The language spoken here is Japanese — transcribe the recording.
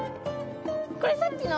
これさっきの？